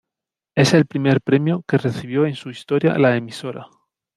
Es el primer premio que recibió en su historia la emisora.